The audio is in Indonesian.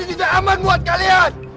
tempat ini tidak aman buat kalian